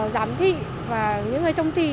giám thị và những người trong thi